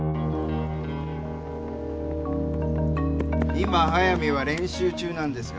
今速水は練習中なんですが。